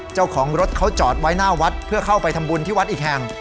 เจ้าของรถเขาจอดไว้หน้าวัดเพื่อเข้าไปทำบุญที่วัดอีกแห่ง